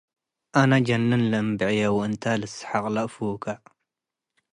አነ ጀንን ለእምብዕዬ ወእንተ ለሰሀቅ ለአፉከ